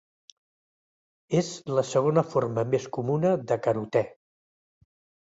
És la segona forma més comuna de carotè.